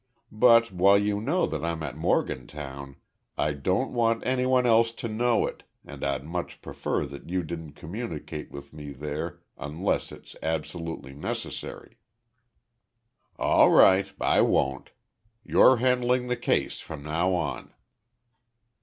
But, while you know that I'm at Morgantown, I don't want anyone else to know it and I'd much prefer that you didn't communicate with me there unless it's absolutely necessary." "All right, I won't. You're handling the case from now on."